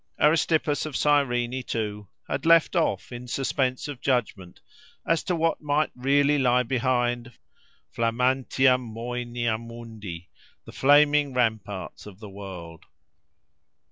Aristippus of Cyrene too had left off in suspense of judgment as to what might really lie behind—flammantia moenia mundi: the flaming ramparts of the world.